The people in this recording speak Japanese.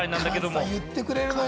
菅さん、言ってくれるのよ。